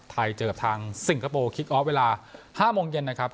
เจอกับทางสิงคโปร์คิกออฟเวลา๕โมงเย็นนะครับ